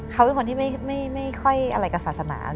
เขาเป็นคนที่ไม่ค่อยอะไรกับศาสนา